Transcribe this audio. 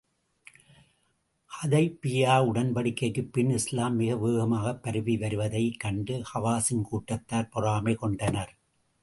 ஹுதைபிய்யா உடன்படிக்கைக்குப் பின், இஸ்லாம் மிக வேகமாகப் பரவி வருவதைக் கண்டு ஹவாஸின் கூட்டத்தார், பொறாமை கொண்டனர்.